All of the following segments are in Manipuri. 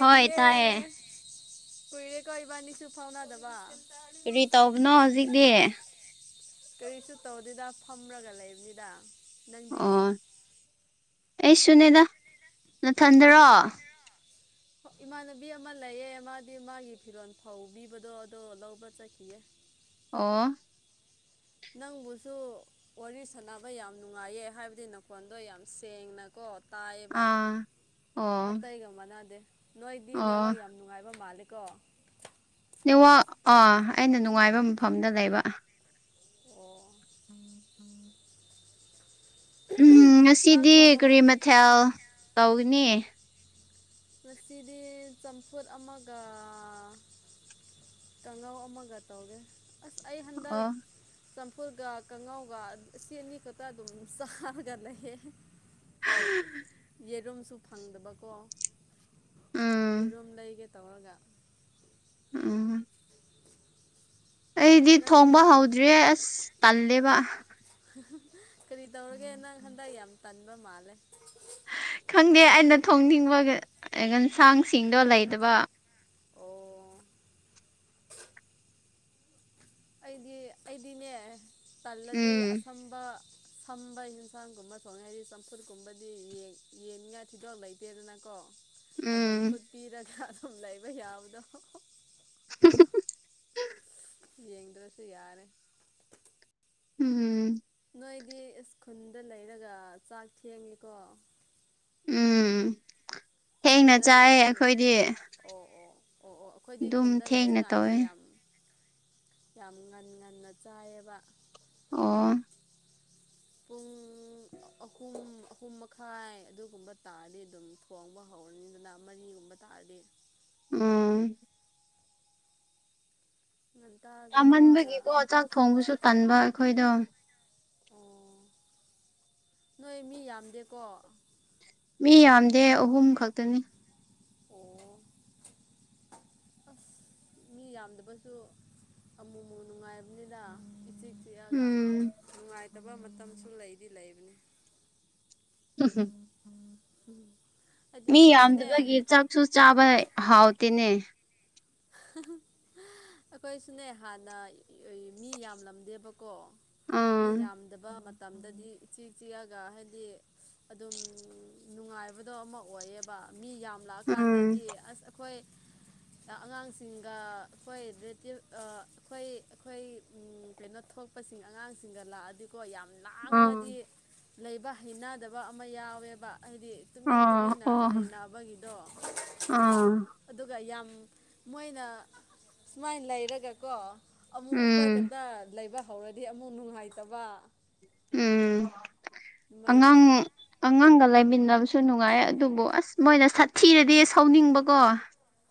ꯍꯣꯏ ꯇꯥꯏꯌꯦ ꯀꯨꯏꯔꯦ ꯀꯧꯏꯕꯥꯅꯤꯁꯨ ꯐꯥꯎꯅꯗꯕ ꯀꯔꯤ ꯇꯧꯕꯅꯣ ꯍꯧꯖꯤꯛꯇꯤ ꯀꯔꯤꯁꯨ ꯇꯧꯗꯦꯗ ꯐꯝꯔꯒ ꯂꯩꯕꯅꯤꯗ ꯅꯪꯗꯤ ꯑꯣ ꯑꯩꯁꯨꯅꯦꯗ ꯅꯊꯟꯗꯔꯣ [inaudible] ꯍ ꯏꯃꯥꯟꯅꯕꯤ ꯑꯃ ꯂꯩꯌꯦ ꯃꯥꯗꯤ ꯃꯥꯒꯤ ꯐꯤꯔꯣꯜ ꯐꯧ ꯄꯤꯕꯗꯣ ꯑꯗꯣ ꯂꯧꯕ ꯆꯠꯈꯤꯒꯦ ꯑꯣ ꯅꯪꯕꯨꯁꯨ ꯋꯥꯔꯤ ꯁꯥꯟꯅꯕ ꯌꯥꯝ ꯅꯨꯡꯉꯥꯏꯌꯦ ꯍꯥꯏꯕꯗꯤ ꯅꯈꯣꯟꯗꯣ ꯌꯥꯝ ꯁꯦꯡꯅꯀꯣ ꯇꯥꯏꯌꯦꯕ ꯑꯥ ꯑꯣ ꯑꯇꯩꯒ ꯃꯥꯟꯅꯗꯦ ꯅꯣꯏꯗꯤ ꯅꯦꯋꯥ ꯑꯣ ꯌꯥꯝ ꯅꯨꯡꯉꯥꯏꯕ ꯃꯥꯜꯂꯤ ꯀꯣ ꯅꯤꯋꯥꯥꯛ ꯑꯥ ꯑꯩꯅ ꯅꯨꯡꯉꯥꯏꯕ ꯃꯐꯝꯗ ꯂꯩꯕ ꯑꯣ ꯎꯝ ꯎꯝ ꯎꯝ ꯉꯁꯤꯗꯤ ꯀꯔꯤ ꯃꯊꯦꯜ ꯇꯧꯒꯅꯤ ꯉꯁꯤꯗꯤ ꯆꯝꯐꯨꯠ ꯑꯃꯒ ꯀꯥꯡꯉꯥꯎ ꯑꯃꯒ ꯇꯧꯒꯦ ꯑꯁ ꯑꯩ ꯍꯟꯗꯛ ꯑꯣ ꯎꯐꯨꯜꯒ ꯀꯉꯥꯎꯒ ꯑꯁꯤ ꯑꯅꯤ ꯈꯛꯇ ꯑꯗꯨꯝ ꯆꯥꯔꯒ ꯂꯩꯌꯦ [inaudible] ꯌꯦꯔꯨꯝꯁꯨ ꯐꯪꯗꯕꯀꯣ ꯎꯝ ꯌꯦꯔꯨꯝꯨꯝ ꯂꯩꯒꯤ ꯇꯔꯒꯒ ꯎꯝ ꯑꯩꯗꯤ ꯅꯪ ꯊꯣꯡꯕ ꯍꯧꯗ꯭ꯔꯦ ꯑꯁ ꯇꯜꯂꯦꯕ ꯀꯔꯤ ꯇꯧꯔꯒꯦ ꯅꯪ ꯍꯟꯗꯛ ꯌꯥꯝ ꯇꯟꯕ ꯃꯥꯜꯂꯦ ꯈꯪꯗꯦ ꯑꯩꯅ ꯊꯣꯡꯅꯤꯡꯕ ꯌꯦꯟꯁꯥꯡꯁꯤꯡꯗꯣ ꯂꯩꯗꯕ ꯑꯣ ꯑꯩꯗꯤ ꯑꯩꯗꯤꯅꯦ ꯇꯜꯂꯗꯤ ꯎꯝ ꯑꯁꯝꯕ ꯁꯝꯕ ꯌꯦꯟꯁꯥꯡꯒꯨꯝꯕ ꯁꯣꯛꯅ ꯍꯥꯏꯗꯤ ꯆꯝꯐꯨꯠꯀꯨꯝꯕꯗꯤ ꯌꯦꯡꯅꯤꯡꯉꯥ ꯊꯤꯗꯣꯛ ꯂꯩꯇꯦꯗꯅꯀꯣ ꯑꯗꯨꯝ ꯎꯝ ꯐꯨꯠꯄꯤꯔꯒ ꯑꯗꯨꯝ ꯂꯩꯕ ꯌꯥꯕꯗꯣ ꯐ ꯌꯦꯡꯗ꯭ꯔꯁꯨ ꯌꯥꯔꯦ ꯎꯝꯝ ꯅꯣꯏꯗꯤ ꯏꯁꯈꯨꯜꯗ ꯂꯩꯔꯒ ꯆꯥꯛ ꯊꯦꯡꯉꯤꯀꯣ ꯎꯝ ꯊꯦꯡꯅ ꯈꯨꯟꯗ ꯆꯥꯏꯌꯦ ꯂꯩꯗꯕ ꯑꯩꯈꯣꯏꯗꯤ ꯑꯣ ꯑꯣ ꯑꯣ ꯑꯣ ꯑꯩꯈꯣꯏꯗꯤ ꯑꯗꯨꯝ ꯈꯨꯟꯗ ꯊꯦꯡꯅ ꯂꯩꯔꯀꯥꯟꯗ ꯇꯧꯋꯦ ꯌꯥꯝ ꯌꯥꯝ ꯉꯟꯅ ꯉꯟꯅ ꯆꯥꯏꯑꯕ ꯑꯣ ꯄꯨꯡ ꯑꯈꯨꯝ ꯑꯍꯨꯝ ꯃꯈꯥꯏ ꯑꯗꯨꯒꯨꯝꯕ ꯇꯥꯔꯗꯤ ꯑꯗꯨꯝ ꯊꯣꯡꯕ ꯍꯧꯔꯅꯤꯗꯅ ꯃꯔꯤꯒꯨꯝꯕ ꯇꯥꯔꯗꯤ ꯎꯝ ꯉꯟꯇꯥ ꯆꯥꯊꯣꯛꯑꯒ ꯇꯥꯃꯟꯕꯒꯤꯀꯣ ꯆꯥꯛ ꯊꯣꯡꯕꯁꯨ ꯇꯟꯕ ꯑꯩꯈꯣꯏꯗꯣ ꯑꯣ ꯅꯣꯏ ꯃꯤ ꯌꯥꯝꯗꯦꯀꯣ ꯃꯤ ꯌꯥꯝꯗꯦ ꯑꯍꯨꯝ ꯈꯛꯇꯅꯤ ꯑꯣ ꯑꯁ ꯃꯤ ꯌꯥꯝꯗꯕꯁꯨ ꯑꯃꯨ ꯑꯃꯨ ꯅꯨꯡꯉꯥꯏꯔꯕꯅꯤꯅ ꯎꯝ ꯐ ꯊꯕ ꯃꯇꯝꯁꯨ ꯂꯩꯗꯤ ꯂꯩꯕꯅꯤ ꯍꯝ ꯍꯝ ꯎꯝ ꯃꯤ ꯌꯥꯝꯗꯕꯒꯤ ꯆꯥꯛꯁꯨ ꯆꯥꯕ ꯍꯥꯎꯇꯦꯅꯦ ꯑꯩꯈꯣꯏꯁꯨꯅꯦ ꯍꯥꯟꯅ ꯃꯤ ꯌꯥꯝꯂꯝꯗꯦꯕ ꯀꯣ ꯃꯤ ꯑꯥ ꯌꯥꯝꯗꯕ ꯃꯇꯝꯗꯗꯤ ꯏ ꯆꯦꯛ ꯆꯤꯛꯑꯒ ꯍꯥꯏꯗꯤ ꯑꯗꯨꯝ ꯅꯨꯡꯉꯥꯏꯕꯗꯣ ꯑꯃ ꯑꯣꯏꯌꯦꯕ ꯃꯤ ꯎꯝ ꯌꯥꯝꯂꯛꯑꯀꯥꯟꯗꯗꯤ ꯑꯁ ꯑꯩꯈꯣꯏ ꯑꯉꯥꯡ ꯁꯤꯡꯒ ꯑꯩꯈꯣꯏ ꯗꯦꯇꯤ ꯑꯩꯈꯣꯏ ꯑꯩꯈꯣꯏ ꯀꯩꯅꯣ ꯊꯣꯛꯄꯁꯤꯡ ꯑꯉꯥꯡꯁꯤꯡ ꯁꯤꯡꯒ ꯂꯛꯑꯗꯤꯀꯣ ꯌꯥꯝ ꯑꯥ ꯂꯥꯡꯉꯗꯤ ꯂꯩꯕ ꯍꯩꯅꯗꯕ ꯑꯃ ꯌꯥꯎꯋꯦꯕ ꯍꯥꯏꯗꯤ ꯇꯨꯃꯤꯟ ꯑꯥ ꯇꯨꯃꯤꯟꯅ ꯑꯣ ꯂꯩꯅꯕꯒꯤꯗꯣ ꯑꯥ ꯑꯗꯨꯒ ꯌꯥꯝ ꯃꯣꯏꯅ ꯁꯨꯃꯥꯏꯅ ꯂꯩꯔꯒꯀꯣ ꯑꯃꯨꯛ ꯑꯩꯈꯣꯏ ꯎꯝ ꯈꯛꯇ ꯂꯩꯕ ꯍꯧꯔꯗꯤ ꯑꯃꯨꯛ ꯅꯨꯡꯉꯥꯏꯇꯕ ꯎꯝ ꯑꯗꯨꯃꯥꯏꯅ ꯑꯉꯥꯡ ꯇꯧ ꯑꯉꯥꯡꯒ ꯂꯩꯃꯤꯟꯅꯕ ꯁꯨ ꯅꯨꯡꯉꯥꯏ ꯑꯗꯨꯕꯨ ꯑꯁ ꯃꯣꯏꯅ ꯁꯥꯊꯤꯔꯗꯤ ꯁꯧꯅꯤꯡꯕꯀꯣ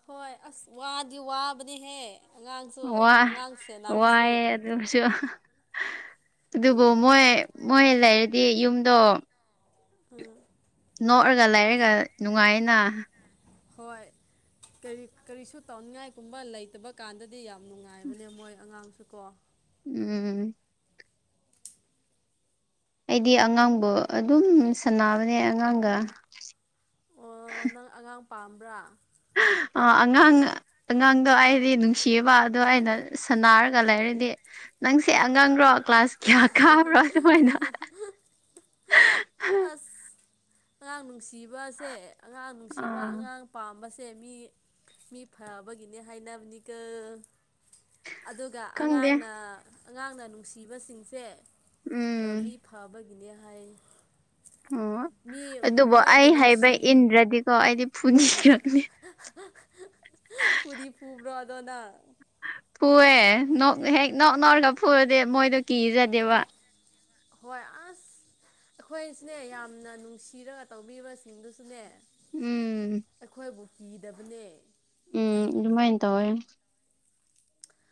ꯍꯣꯏ ꯑꯁ ꯋꯥꯗꯤ ꯋꯥꯕꯅꯦꯍꯦ ꯑꯉꯥꯡꯁꯨ ꯋꯥ ꯑꯉꯥꯡ ꯁꯦꯟꯅꯕꯁꯨ ꯋꯥꯌꯦ ꯑꯗꯨꯁꯨ ꯑꯗꯨꯕꯨ ꯎꯝ ꯃꯣꯏ ꯃꯣꯏ ꯂꯩꯔꯗꯤ ꯌꯨꯝꯗꯣ ꯑ ꯅꯣꯛꯑꯒ ꯂꯩꯔꯒ ꯅꯨꯡꯉꯥꯏꯅ ꯍꯣꯏ ꯀꯔꯤ ꯀꯔꯤꯁꯨ ꯇꯧꯅꯤꯡꯉꯥꯏꯒꯨꯝꯕ ꯂꯩꯇꯕ ꯀꯥꯟꯗꯗꯤ ꯌꯥꯝ ꯅꯨꯡꯉꯥꯏꯕꯅꯦ ꯃꯣꯏ ꯑꯉꯥꯡꯁꯨ ꯀꯣ ꯎꯝ ꯑꯩꯗꯤ ꯑꯉꯥꯡꯕꯨ ꯑꯗꯨꯝ ꯁꯥꯟꯅꯕꯅꯦ ꯑꯉꯥꯡꯒ ꯑꯣ ꯅꯪ ꯑꯉꯥꯡ ꯄꯥꯝꯕ꯭ꯔꯥ ꯑꯉꯥꯡ ꯑꯉꯥꯡꯗꯣ ꯑꯩꯗꯤ ꯅꯨꯡꯁꯤꯕ ꯑꯗꯣ ꯑꯩꯅ ꯁꯅꯥꯔꯒ ꯂꯩꯔꯗꯤ ꯅꯪꯁꯦ ꯑꯉꯥꯡꯔꯣ ꯀ ꯀ꯭ꯂꯥꯁꯀꯤꯌꯥ ꯈꯕ ꯔꯗ ꯑꯣꯏꯣꯏꯅ ꯑꯁ ꯑꯉꯥꯡ ꯅꯨꯡꯁꯤꯕꯁꯦ ꯑꯉꯥꯡ ꯅꯨꯡꯁꯤꯕ ꯑꯥ ꯑꯉꯥꯡ ꯄꯥꯝꯕꯁꯦ ꯁꯦ ꯃꯤ ꯃꯤ ꯐꯕꯒꯤꯅꯦ ꯍꯥꯏꯅꯕꯅꯤꯒ ꯑꯗꯨꯒ ꯈꯪꯗꯦ ꯑꯉꯥꯡꯅ ꯑꯉꯥꯡꯅ ꯅꯨꯡꯁꯤꯕꯁꯤꯡꯁꯦ ꯃꯤ ꯎꯝ ꯐꯕꯒꯤ ꯏꯅꯦꯍꯥꯏ ꯑꯣ ꯑꯗꯨꯕꯨ ꯑꯩ ꯍꯥꯏꯕ ꯅꯨꯡꯁꯤ ꯏꯟꯗ꯭ꯔꯗꯤꯀꯣ ꯑꯩꯗꯤ ꯐꯨꯅꯤꯔꯛꯅꯤ ꯐꯨꯗꯤ ꯄꯨꯨꯕ꯭ꯔꯣꯗꯣꯅ ꯍꯑꯦ ꯅꯣꯛ ꯍꯦꯛ ꯅꯣꯛ ꯅꯧꯔꯒ ꯐꯨꯔꯗꯤꯦ ꯃꯣꯏꯗꯣ ꯀꯤꯖꯗꯦꯕ ꯍꯣꯏ ꯑꯁ ꯑꯩꯈꯣꯏꯁꯤꯅꯦ ꯌꯥꯝꯅ ꯅꯨꯡꯁꯤꯔꯒ ꯇꯧꯕꯤꯕꯁꯤꯡꯗꯨꯁꯨꯅꯦ ꯎꯝ ꯑꯩꯈꯣꯏꯕꯨ ꯀꯤꯗꯕꯅꯦ ꯎꯝ ꯑꯗꯨꯃꯥꯏꯅ ꯇꯧꯋ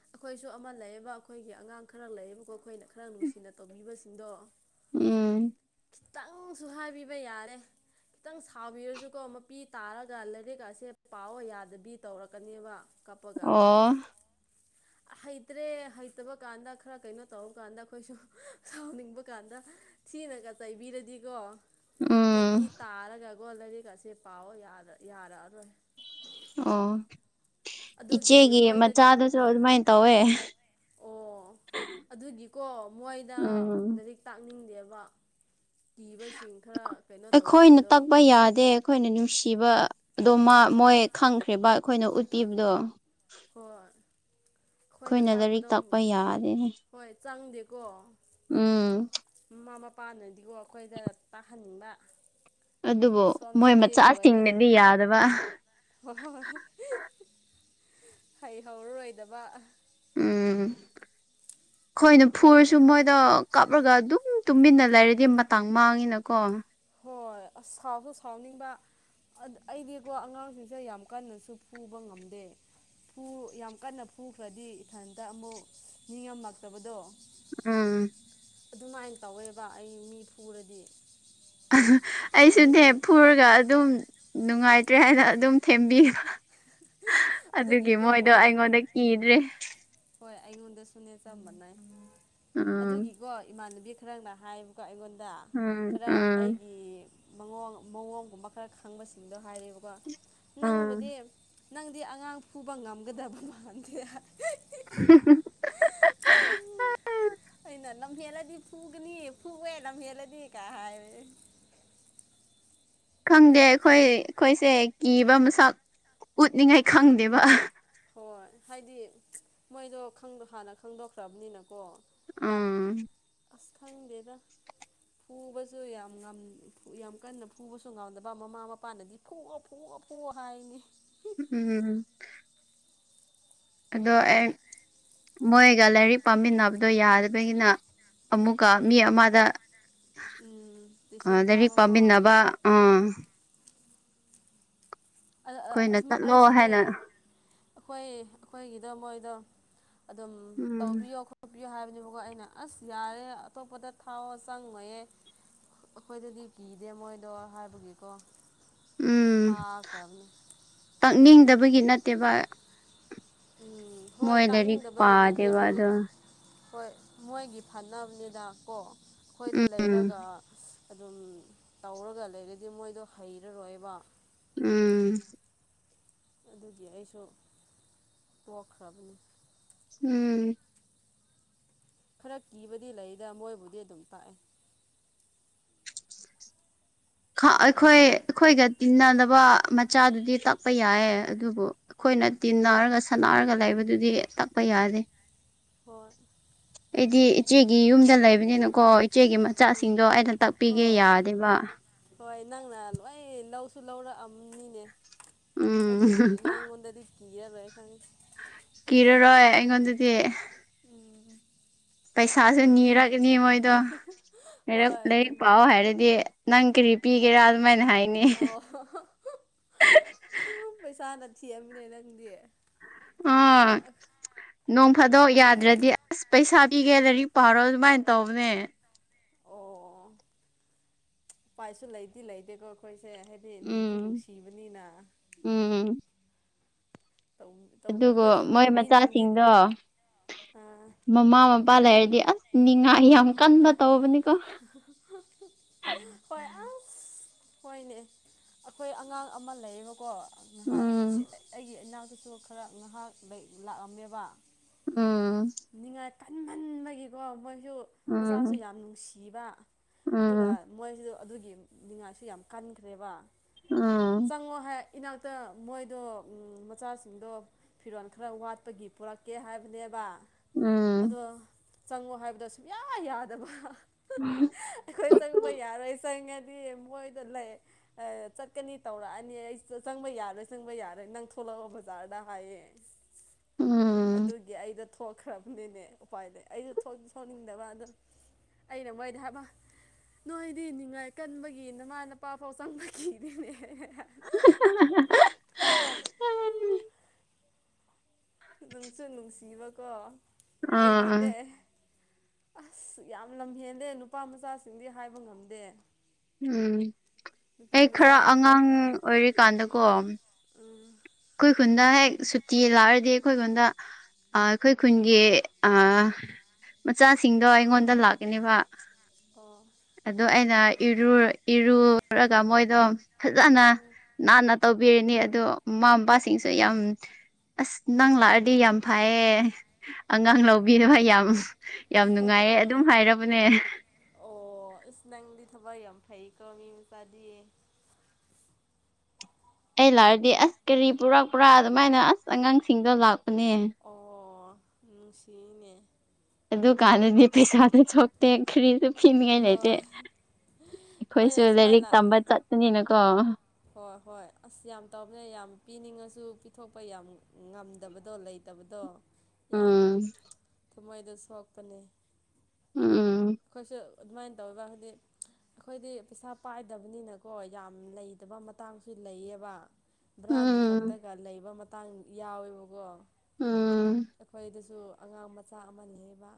ꯑꯩꯈꯣꯏꯁꯨ ꯑꯃ ꯂꯩꯌꯦꯕ ꯑꯩꯈꯣꯏꯒꯤ ꯑꯉꯥꯡ ꯈꯔ ꯂꯩꯌꯦꯕꯀꯣ ꯑꯩꯈꯣꯏꯅ ꯈꯔ ꯅꯨꯡꯁꯤꯅ ꯇꯧꯕꯤꯕꯁꯤꯡꯗꯣ ꯎꯝ ꯈꯤꯇꯪꯁꯨ ꯍꯥꯏꯕꯤꯕ ꯌꯥꯔꯦ ꯈꯤꯇꯪ ꯁꯥꯎꯕꯤꯔꯁꯨꯀꯣ ꯃꯄꯤ ꯇꯥꯔꯒ ꯂꯥꯏꯔꯤꯛ ꯑꯁꯦ ꯄꯥꯎ ꯌꯥꯗꯕꯤ ꯇꯧꯔꯛꯀꯅꯦꯕ ꯀꯞꯄꯒ ꯑꯣ ꯍꯩꯇ꯭ꯔꯦ ꯍꯩꯇꯕ ꯀꯥꯟꯗ ꯈꯔ ꯀꯩꯅꯣ ꯇꯧꯔ ꯀꯥꯟꯗ ꯑꯩꯈꯣꯏꯁꯨ ꯁꯥꯎꯅꯤꯡꯕ ꯀꯥꯟꯗ ꯊꯤꯅꯒ ꯇꯩꯕꯤꯔꯗꯤꯀꯣ ꯃꯄꯤ ꯎꯝ ꯇꯥꯔꯒ ꯒꯣꯜꯗꯗꯤꯒꯁꯤ ꯄꯥꯎꯑꯣ ꯌꯥꯔꯛꯑꯔꯣꯏ ꯑꯣ ꯑꯗꯨꯒꯤ ꯏꯆꯦꯒꯤ ꯃꯣꯏꯗꯗꯤ ꯃꯆꯥꯗꯁꯨ ꯑꯗꯨꯃꯥꯏꯅ ꯇꯧꯋꯦ ꯑꯣ ꯑꯗꯨꯒꯤꯀꯣ ꯃꯣꯏꯗ ꯎꯝ ꯂꯥꯏꯔꯤꯛ ꯇꯥꯛ ꯀꯥꯛꯅꯤꯡꯗꯦꯕ ꯑꯩꯈꯣꯏꯅ ꯇꯛꯄ ꯌꯥꯗꯦ ꯑꯩꯈꯣꯏꯅ ꯅꯨꯡꯁꯤꯕ ꯑꯗꯣ ꯃꯣꯏ ꯈꯪꯈ꯭ꯔꯤꯕ ꯑꯩꯈꯣꯏꯅ ꯎꯠꯄꯤꯕꯗꯣ ꯍꯣꯏ ꯑꯩꯈꯣꯏꯅ ꯂꯥꯏꯔꯤꯛ ꯇꯥꯛꯄ ꯌꯥꯗꯦꯅꯤ ꯍꯣꯏ ꯆꯪꯗꯦꯀꯣ ꯎꯝ ꯃꯃꯥ ꯃꯄꯥꯅꯗꯤꯀꯣ ꯑꯩꯈꯣꯏꯗ ꯇꯥꯍꯟꯅꯤꯡꯕ ꯑꯗꯨꯕꯨ ꯃꯣꯏ ꯃꯆꯥꯁꯤꯡꯅꯗꯤ ꯌꯥꯗꯕ [unintelligible] ꯍꯩ ꯍꯧꯔꯔꯣꯏꯗꯕ ꯎꯝ ꯑꯩꯈꯣꯏꯅ ꯐꯨꯔꯁꯨ ꯇꯧꯋꯦ ꯃꯣꯏꯗ ꯀꯞ ꯍꯥꯞꯂꯒ ꯑꯗꯨꯝ ꯇꯨꯃꯤꯟꯅ ꯂꯩꯔꯗꯤ ꯃꯇꯥꯡ ꯃꯥꯡꯉꯤꯅꯀꯣ ꯍꯣꯏ ꯑꯁ ꯁꯥꯎꯁꯨ ꯁꯥꯎꯅꯤꯡꯕ ꯑꯩꯗꯤꯀꯣ ꯑꯉꯥꯡꯁꯤꯡꯁꯦ ꯌꯥꯝ ꯀꯟꯅꯁꯨ ꯄꯨꯨꯕ ꯉꯝꯗꯦ ꯌꯥꯝ ꯀꯟꯅ ꯐꯨꯈ꯭ꯔꯗꯤ ꯏꯊꯟꯇ ꯑꯃꯨꯛ ꯅꯤꯡꯉꯝꯂꯛꯇꯕꯗꯣ ꯎꯝ ꯑꯗꯨꯃꯥꯏꯅ ꯇꯧꯋꯦꯕ ꯑꯩ ꯃꯤ ꯐꯨꯔꯗꯤ ꯑꯩꯁꯨꯅꯦ ꯑꯗꯨꯒꯤ ꯐꯨꯔꯒ ꯑꯗꯨꯝ ꯅꯨꯡꯉꯥꯏꯇ꯭ꯔꯦ ꯍꯥꯏꯅ ꯑꯗꯨꯝ ꯊꯦꯝꯕꯤꯕ ꯑꯗꯨꯒꯤ ꯑꯗꯨꯒꯤꯀꯣ ꯃꯣꯏꯗꯣ ꯃꯣꯏꯗ ꯀꯤ ꯑꯩꯉꯣꯟꯗ ꯀꯤꯗ꯭ꯔꯦ ꯍꯣꯏ ꯑꯩꯉꯣꯟꯗꯁꯨꯅꯦ ꯆꯝꯕꯅ ꯎꯝ ꯑꯗꯨꯒꯤꯀꯣ ꯏꯃꯥꯟꯅꯕꯤ ꯈꯔꯅ ꯍꯥꯏꯕꯀꯣ ꯑꯩꯉꯣꯟꯗ ꯗ ꯎꯝ ꯈꯔ ꯎꯝ ꯑꯩꯒꯤ ꯃꯑꯣ ꯃꯑꯣꯡꯒꯨꯝꯕ ꯈꯔ ꯈꯪꯕꯁꯤꯡꯗꯣ ꯍꯥꯏꯔꯤꯕ ꯣ ꯅꯪꯕꯨꯗꯤ ꯎꯝ ꯅꯪꯗꯤ ꯑꯉꯥꯡ ꯐꯨꯕ ꯉꯝꯒꯗꯕ ꯃꯝꯗꯦ [unintelligible] [unintelligible] ꯑꯥ ꯂꯍꯦꯂꯗꯤ ꯐꯨꯒꯅꯤ ꯐꯨꯒꯦ ꯂꯍꯦꯂꯗꯤ ꯀꯥ ꯈꯪꯗꯦ ꯑꯩꯈꯣꯏ ꯑꯩꯈꯣꯏꯁꯦ ꯀꯤꯕ ꯃꯁꯛ ꯎꯠꯅꯤꯡꯉꯥꯏ ꯈꯪꯗꯦꯕ ꯍꯣꯏ ꯍꯥꯏꯗꯤ ꯃꯣꯏꯗꯣ ꯍꯥꯟꯅ ꯈꯪꯗꯣꯛꯈ꯭ꯔꯕꯅꯤꯅꯀꯣ ꯌꯥꯝ ꯎꯝ ꯑꯁ ꯈꯪꯗꯦꯗ ꯐꯨꯕꯁꯨ ꯌꯥꯝ ꯌꯥꯝ ꯀꯟꯅ ꯐꯨꯕꯁꯨ ꯉꯝꯗꯕ ꯃꯃꯥ ꯃꯄꯥꯅꯗꯤ ꯐꯑ ꯐꯣꯛꯑ ꯄ ꯍꯥꯏꯅꯤ ꯎꯝ ꯑꯗꯣ ꯑꯩ ꯃꯣꯏꯒ ꯂꯥꯏꯔꯤꯛ ꯄꯥꯃꯤꯟꯅꯕꯗꯣ ꯌꯥꯗꯕꯒꯤꯅ ꯑꯃꯨꯛꯀ ꯃꯤ ꯑꯃꯗ ꯎꯝ ꯇꯨꯏꯁꯟ ꯑꯗꯔꯤ ꯊꯥꯕꯀꯣ ꯄꯥꯝꯃꯤꯗꯕ ꯑꯝ ꯑꯩꯈꯣꯏꯅ ꯑꯁ ꯆꯠꯂꯣ ꯑꯩꯁꯨꯅꯦ ꯍꯥꯏꯅ ꯑꯩꯈꯣꯏ ꯑꯩꯈꯣꯏꯒꯤꯗ ꯃꯣꯏꯗꯣ ꯑꯗꯨꯝ ꯎꯝ ꯇꯧꯕꯤꯌꯣ ꯈꯣꯠꯄꯤ ꯨ ꯍꯥꯏꯕꯅꯦꯕꯀꯣ ꯑꯩꯅ ꯑꯁ ꯌꯥꯔꯦ ꯑꯇꯣꯞꯄꯗ ꯊꯥꯎ ꯆꯪꯉꯌꯦ ꯑꯩꯈꯣꯏꯗꯗꯤ ꯀꯤꯗꯦ ꯃꯣꯏꯗꯣ ꯍꯥꯏꯕꯒꯤꯀꯣ ꯎꯝ ꯍꯥ ꯆꯅꯤ ꯒꯤ ꯅꯠꯇꯦꯕ ꯎꯝ ꯍꯣꯏ ꯃꯣꯏꯣꯏꯗꯔꯤ ꯇꯥꯛꯅꯤꯡꯗꯕꯒꯤ ꯅꯠꯇꯦ ꯍꯥꯏꯗꯤ ꯄꯥꯗꯕꯗ ꯍꯣꯏ ꯃꯣꯏꯒꯤ ꯐꯅꯕꯅꯤꯗ ꯀꯣ ꯑꯩꯈꯣꯏꯗ ꯎꯝ ꯂꯩꯔꯒ ꯑꯗꯨꯝ ꯇꯧꯔꯒ ꯂꯩꯔꯗꯤ ꯃꯣꯏꯗꯣ ꯍꯩꯔꯔꯣꯏꯕ ꯎꯝ ꯑꯗꯨꯗꯤ ꯑꯩꯁꯨ ꯄꯣꯛꯈ꯭ꯔꯕꯅꯤ ꯎꯝ ꯈꯔ ꯀꯤꯕꯗꯤ ꯂꯩꯗ ꯃꯣꯏꯕꯨꯗꯤ ꯑꯗꯨꯝ ꯇꯥꯛꯑꯦ ꯑꯩꯈꯣꯏ ꯑꯩꯈꯣꯏꯒ ꯇꯤꯟꯅꯗꯕ ꯃꯆꯥꯗꯨꯗꯤ ꯇꯛꯄ ꯌꯥꯏꯌꯦ ꯑꯗꯨꯕꯨ ꯑꯩꯈꯣꯏ ꯑꯩꯈꯣꯏꯅ ꯇꯤꯟꯅꯔꯒ ꯁꯥꯟꯅꯔꯒ ꯂꯩꯕꯗꯨꯗꯤ ꯇꯛꯄ ꯌꯥꯗꯦ ꯍꯣꯏ ꯑꯩꯗꯤ ꯏꯆꯦꯒꯤ ꯌꯨꯝꯗ ꯂꯩꯕꯅꯤꯅꯀꯣ ꯏꯆꯦꯒꯤ ꯎꯝ ꯃꯆꯥꯁꯤꯡꯗꯣ ꯑꯩꯅ ꯇꯥꯛꯄꯤꯒꯦ ꯍꯣꯏ ꯌꯥꯗꯦꯕ ꯍꯣꯏ ꯅꯪꯅ ꯂꯣꯏ ꯂꯧꯁꯨ ꯂꯧꯔꯛꯑꯝꯅꯤꯅꯦ ꯎꯝ ꯑꯗꯨꯕꯨ ꯅꯪꯉꯣꯟꯗꯗꯤ ꯀꯤꯔꯔꯣꯏ ꯑꯩ ꯈꯪꯗꯦ ꯀꯤꯔꯔꯣꯏ ꯑꯩꯉꯣꯟꯗꯗꯤ ꯎꯝ ꯄꯩꯁꯥꯁꯨ ꯅꯤꯔꯛ ꯑꯩꯗꯤ ꯃꯣꯏꯗꯣ ꯂꯥꯏꯔꯛ ꯍꯣꯏ ꯂꯥꯏꯔꯤꯛ ꯅꯨꯡ ꯄꯥꯎ ꯍꯥꯏꯔꯗꯤ ꯅꯪ ꯀꯔꯤ ꯄꯤꯒꯦꯔꯥ ꯑꯗꯨꯃꯥꯏꯅ ꯍꯥꯏꯅꯤ ꯑ ꯍꯣ-ꯍꯣ ꯍꯣꯛ ꯃꯁꯥꯅ ꯊꯤꯑꯝꯃꯤꯅꯦ ꯅꯪꯗꯤ ꯑꯥ ꯅꯣꯡ ꯐꯥꯗꯣꯛ ꯌꯥꯗ꯭ꯔꯗꯤ ꯑꯁ ꯄꯩꯁꯥ ꯄꯤꯒꯦ ꯂꯥꯏꯔꯤꯛ ꯄꯥꯎꯔꯧ ꯃꯥꯏ ꯄꯥꯎꯅꯦ ꯑꯣ.. ꯎꯄꯥꯏꯁꯨ ꯂꯩꯗꯤ ꯂꯩꯇꯦꯀꯣ ꯑꯩꯈꯣꯏ ꯁꯦ ꯍꯥꯏꯗꯤ ꯅꯨꯡꯁꯨ ꯎꯝ ꯅꯨꯡꯁꯤꯕꯅꯤꯅ ꯎꯝ ꯇꯧ ꯇꯧ ꯑꯗꯨꯒ ꯑꯩꯈꯣꯏꯁꯨ ꯃꯥꯏ ꯇꯧꯕꯤꯅꯤꯡꯗꯤ ꯃꯆꯥꯁꯤꯡꯗꯣ ꯑꯥ ꯃꯃꯥ ꯃꯄꯥ ꯂꯩꯔꯗꯤ ꯑꯁ ꯅꯤꯡꯉꯥꯏ ꯌꯥꯝ ꯀꯟꯅ ꯇꯧꯕꯅꯤ ꯍ -ꯍ- ꯍ- ꯍꯛ- ꯍ ꯍꯣꯏ ꯑꯁ ꯁꯤ ꯍꯣꯏꯅꯦ ꯑꯩꯈꯣꯏ ꯑꯉꯥꯡ ꯑꯃ ꯂꯩꯅꯀꯣ ꯑꯩꯅ ꯍꯥꯟꯅ ꯎꯝ ꯑꯁꯤ ꯑꯩ ꯑꯩꯒꯤ ꯏꯅꯥꯛꯇꯁꯨ ꯈꯔ ꯉꯍꯥꯛ ꯂꯩ ꯂꯥꯛꯑꯝꯃꯦꯕ ꯎꯝ ꯅꯤꯡꯉꯥꯏ ꯀꯟꯃꯟꯕꯒꯤꯀꯣ ꯃꯣꯏꯁꯨ ꯎꯝ ꯃꯆꯥꯁꯨ ꯌꯥꯝ ꯅꯨꯡꯁꯤꯕ ꯑꯗꯨꯒ ꯎꯝ ꯃꯣꯏꯁꯨ ꯑꯗꯨꯒꯤ ꯅꯤꯡꯉꯥꯏꯁꯨ ꯌꯥꯝ ꯀꯟꯈ꯭ꯔꯦꯕ ꯎꯝ ꯆꯪꯉꯣ ꯍꯦ ꯏꯅꯥꯛꯇ ꯃꯣꯏꯗꯣ ꯎꯝ.. ꯃꯆꯥꯁꯤꯡꯗꯣ ꯐꯤꯔꯣꯜ ꯈꯔ ꯋꯥꯠꯄꯒꯤ ꯄꯨꯔꯛꯀꯦ ꯍꯥꯏꯕꯅꯦꯕ ꯎꯝ ꯑꯗꯣ ꯆꯪꯉꯣ ꯍꯥꯏꯕꯗꯣ ꯁꯨꯡꯌꯥ ꯌꯥꯗꯕ ꯍ-ꯍꯛ-ꯍ ꯑ ꯩꯈꯣꯏ ꯆꯪꯕ ꯌꯥꯔꯣꯏ ꯆꯪꯉꯦ [inaudible] ꯑꯩꯈꯣꯏꯗ ꯂꯩ ꯑꯦ ꯆꯠꯀꯅꯤ ꯇꯧꯔꯛꯑꯅꯤ ꯑꯩꯁꯨ ꯆꯪꯕ ꯌꯥꯔꯣꯏ ꯆꯪꯕ ꯌꯥꯔꯣꯏ ꯅꯪ ꯊꯣꯛꯂꯛꯑꯣ ꯕꯖꯥꯔ ꯑꯗ ꯍꯥꯏꯑꯦ ꯎꯝ ꯑꯗꯨꯒꯤ ꯑꯩꯗ ꯑꯣꯢꯈ꯭ꯔꯝꯕꯅꯤꯅꯦ ꯎꯄꯥꯏ ꯂꯩ ꯑꯩ ꯊꯣꯛꯗꯤ ꯊꯣꯛꯅꯤꯡꯗꯕ ꯑꯗꯨ ꯑꯩꯅ ꯃꯣꯏꯗꯤ ꯍꯥꯏꯕ ꯅꯣꯏꯗꯤ ꯅꯤꯡꯉꯥꯏ ꯀꯟꯕꯒꯤ ꯅꯃꯥ ꯅꯄꯥ ꯐꯥꯎ ꯆꯪꯕ ꯀꯤꯔꯦꯅꯦ ꯍꯦ-ꯍꯦ ꯍ-ꯍ-ꯍꯥ-ꯍꯥ ꯎꯝ... ꯅꯨꯡꯁꯨ ꯅꯨꯡꯁꯤꯕꯀꯣ ꯑꯥ ꯑꯩꯗꯤꯅꯦ ꯑꯁ ꯌꯥꯝ ꯂꯝꯍꯦꯟꯂꯦ ꯅꯨꯄꯥ ꯃꯆꯥꯁꯤꯡꯗꯤ ꯍꯥꯏꯕ ꯉꯝꯗꯦ ꯎꯝ ꯅꯨꯄꯤ ꯑꯩ ꯈꯔ ꯃꯆꯥꯅ ꯑꯉꯥꯡ ꯐꯩ ꯑꯣꯏꯔꯤꯀꯥꯟꯗꯀꯣ ꯎꯝ ꯑꯩꯈꯣꯏ ꯈꯨꯟꯗ ꯍꯦꯛ ꯁꯨꯇꯤ ꯂꯥꯛꯑꯗꯤ ꯑꯩꯈꯣꯏ ꯈꯨꯟꯗ ꯑ ꯑꯩꯈꯣꯏ ꯈꯨꯟꯒꯤ ꯑ ꯃꯆꯥꯁꯤꯡꯗꯣ ꯑꯩꯉꯣꯟꯗ ꯅꯪ ꯂꯥꯛꯀꯅꯦꯕ ꯑꯣ ꯑꯗꯣ ꯑꯩꯅ ꯏꯔꯣꯏ ꯏꯔꯨꯂꯨꯔꯒ ꯃꯣꯏꯗꯣ ꯐꯖꯅ ꯑꯣ ꯅꯥꯟꯅ ꯇꯧꯕꯤꯔꯅꯤ ꯑꯗꯨ ꯃꯃꯥ ꯃꯄꯥꯁꯤꯡꯁꯦ ꯌꯥꯝ ꯑꯁ ꯅꯪ ꯂꯥꯛꯑꯗꯤ ꯌꯥꯝ ꯐꯩꯌꯦ ꯑꯉꯥꯡ ꯑꯣ ꯑꯣ ꯂꯧꯕꯤꯅꯕ ꯌꯥꯝ ꯌꯥꯝ ꯅꯨꯡꯉꯥꯏꯌꯦ ꯑꯗꯨꯝ ꯍꯥꯏꯔꯕꯅꯦ ꯑꯁ ꯅꯪꯗꯤ ꯊꯕꯛ ꯌꯥꯝ ꯐꯩꯀꯣ ꯃꯤ ꯃꯆꯥꯗꯤ ꯑꯩ ꯂꯥꯛꯑꯗꯤ ꯑꯁ ꯀꯔꯤ ꯄꯨꯔꯛꯄ꯭ꯔ ꯑꯗꯨꯃꯥꯏꯅ ꯑꯁ ꯑꯉꯥꯡꯁꯤꯡꯗꯣ ꯂꯥꯛꯄꯅꯦ ꯎꯝ ꯅꯨꯡꯁꯤꯌꯦꯅꯦ ꯑꯗꯨ ꯀꯥꯟꯗꯤ ꯄꯩꯁꯥꯁꯨ ꯊꯣꯛꯇꯦ ꯈ꯭ꯔꯤꯔ ꯃꯤꯉꯥꯏ ꯂꯩꯇꯦ ꯍꯣꯏ ꯑꯩꯈꯣꯏꯁꯨ ꯃꯣꯏꯅ ꯂꯥꯏꯔꯤꯛ ꯁꯨꯃꯥꯏꯅ ꯇꯝꯕ ꯆꯠꯄꯅꯤꯅꯀꯣ ꯍꯣꯏ ꯍꯣꯏ ꯑꯁ ꯌꯥꯝ ꯇꯕꯅꯦ ꯌꯥꯝ ꯄꯤꯅꯤꯡꯉꯁꯨ ꯄꯤ ꯊꯣꯛꯄ ꯌꯥꯝ ꯉꯝꯗꯕꯗꯣ ꯂꯩꯇꯕꯗꯣ ꯌꯥꯝ ꯎꯝ ꯀꯨꯝꯍꯩꯗ ꯁꯦꯠꯄꯅꯦ ꯎꯝ ꯑꯈꯣꯏꯁꯨ ꯑꯗꯨꯃꯥꯏ ꯇꯧꯔꯒ ꯍꯥꯏꯗꯤ ꯑꯩꯈꯣꯏꯗꯤ ꯄꯩꯁꯥ ꯄꯥꯏꯗꯕꯅꯤꯅꯀꯣ ꯌꯥꯝ ꯂꯩꯇꯕ ꯃꯇꯥꯡꯁꯨ ꯂꯩꯌꯦꯕ ꯕ꯭ꯔꯥꯒꯤ ꯎꯝ ꯈꯛꯇꯒ ꯂꯩꯕ ꯃꯇꯥꯡ ꯌꯥꯎꯋꯦꯕꯀꯣ ꯎꯝ ꯑꯩꯈꯣꯏꯗꯁꯨ ꯑꯉꯥꯡ ꯃꯆꯥ ꯑꯃ ꯂꯩꯕ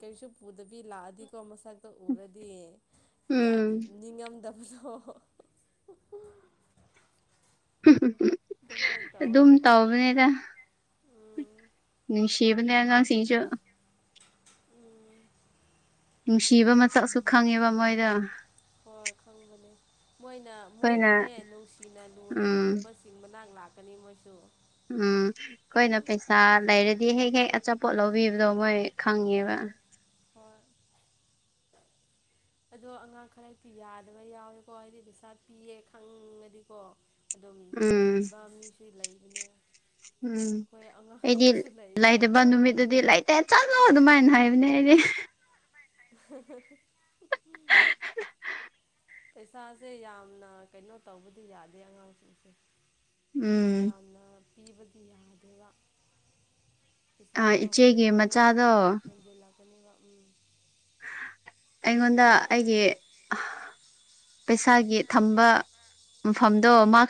ꯀꯔꯤꯁꯨ ꯄꯨꯗꯕꯤ ꯂꯥꯛꯑꯗꯤꯀꯣ ꯃꯊꯛꯇ ꯎꯔꯗꯤ ꯌꯥꯝ ꯎꯝ ꯅꯤꯡꯉꯝꯗꯕ [unintelligible] ꯑꯗꯨꯝ ꯇꯧꯕꯅꯤꯗ ꯎꯝ ꯕꯗ ꯌꯥꯉꯥꯡ ꯁꯤꯖ ꯎꯝ ꯅꯨꯡꯁꯤꯕ ꯃꯆꯛꯁꯨ ꯈꯪꯉꯦꯕ ꯃꯣꯏꯗ ꯍꯣꯏ ꯈꯪꯕꯅꯦ ꯃꯣꯏꯅ ꯃꯣꯏꯕꯨꯅꯦ ꯅꯨꯡꯁꯤꯅ ꯂꯨꯅ ꯎꯝ ꯇꯧꯕꯆꯤꯡ ꯃꯅꯥ ꯂꯥꯛꯀꯅꯤ ꯃꯣꯏꯁꯨ ꯎꯝ ꯑꯩꯈꯣꯏꯅ ꯄꯩꯁꯥ ꯂꯩꯔꯗꯤ ꯍꯦꯛ ꯍꯦꯛ ꯑꯆꯥꯄꯣꯠ ꯂꯧꯕꯤꯕꯗꯣ ꯃꯣꯏ ꯈꯪꯕ ꯑꯥ ꯍꯣꯏ [inaudible] ꯑꯗꯣ ꯑꯉꯥꯡ ꯈꯔ ꯌꯥꯗꯕ ꯌꯥꯎꯋꯦꯀꯣ ꯑꯩꯗꯤ ꯄꯩꯁꯥ ꯄꯤꯌꯦꯦ ꯈꯪꯉꯗꯤꯀꯣ ꯑꯗꯨꯝ ꯎꯝ ꯅꯤꯕ ꯃꯤꯁꯨ ꯂꯩꯕꯅꯦ ꯎꯝ ꯑꯩꯈꯣꯏ ꯑꯉꯥꯡ ꯑꯩꯗꯤ ꯑꯃꯁꯨ ꯂꯩꯇꯕ ꯂꯩꯌꯦꯕꯀꯣ ꯅꯨꯃꯤꯠꯇꯗꯤ ꯂꯩꯇꯦ ꯆꯠꯂꯣ ꯑꯗꯨꯃꯥꯏꯅ ꯍꯥꯏ ꯃꯅꯦ ꯍ ꯄꯩꯁꯥꯁꯦ ꯌꯥꯝꯅ ꯀꯩꯅꯣ ꯇꯧꯕꯗꯤ ꯌꯥꯗꯦ ꯑꯉꯥꯡꯁꯤꯡꯁꯦ ꯎꯝ ꯌꯥꯝꯅ ꯄꯤꯕꯗꯤ ꯌꯥꯗꯦꯕ ꯑ ꯄꯩꯁꯥꯗꯣ ꯏꯆꯦꯒꯤ ꯃꯆꯥꯗꯣ ꯀꯅꯤꯕ ꯎꯝ ꯑꯩꯉꯣꯟꯗ ꯑꯩꯒꯤ ꯄꯩꯁꯥꯒꯤ ꯊꯝꯕ ꯃꯐꯝꯗꯣ ꯃꯥ